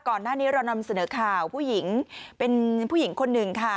ก่อนหน้านี้เรานำเสนอข่าวผู้หญิงเป็นผู้หญิงคนหนึ่งค่ะ